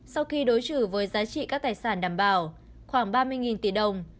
sau khi đối xử với giá trị các tài sản đảm bảo khoảng ba mươi tỷ đồng